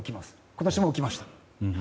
今年も起きました。